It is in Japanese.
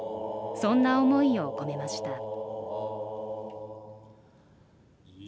そんな思いを込めました。